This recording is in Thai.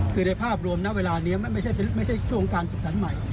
คือในภาพรวมนะเวลานี้ไม่ใช่ช่วงการฝึกสรรค์ใหม่